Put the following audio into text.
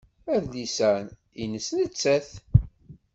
Adlis-a nnes nettat.